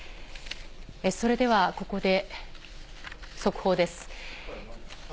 それではここで速報です。